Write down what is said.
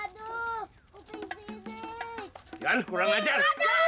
jangan kurang ajar